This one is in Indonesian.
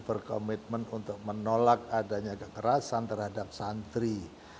berkomitmen untuk menolak adanya kekerasan terhadap santri